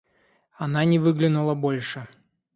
Она не выглянула больше.